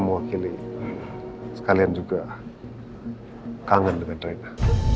mewakili sekalian juga kangen dengan mereka